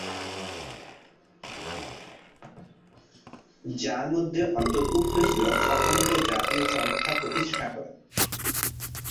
যার মধ্যে অন্তর্ভুক্ত ছিল স্বতন্ত্র জাতীয় সংস্থা প্রতিষ্ঠা করা।